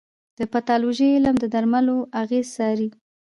د پیتالوژي علم د درملو اغېز څاري.